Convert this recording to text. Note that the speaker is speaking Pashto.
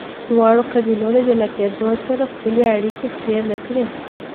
دواړو قبیلو د جلا کیدو سره خپلې اړیکې پرې نه کړې.